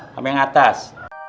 sampai yang atas